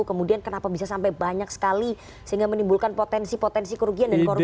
kemudian kenapa bisa sampai banyak sekali sehingga menimbulkan potensi potensi kerugian dan korupsi